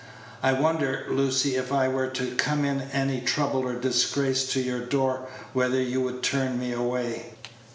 I wonder, Lucy, if I were to come in any trouble or disgrace to your door, whether you would turn me away?"